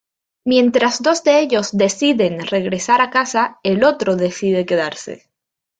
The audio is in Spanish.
Mientras dos de ellos deciden regresar a casa, el otro decide quedarse.